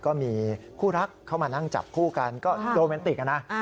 ก็มีคู่รักเข้ามานั่งจับคู่กันก็โรแมนติกนะ